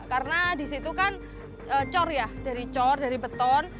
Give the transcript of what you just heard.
karena di situ kan cor ya dari cor dari beton